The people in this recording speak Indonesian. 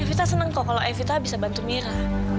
epita seneng kok kalau epita bisa bantu mira